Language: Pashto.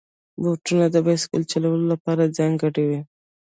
بوټونه د بایسکل چلولو لپاره ځانګړي وي.